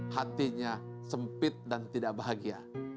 hatinya sempit dan tidak bahagia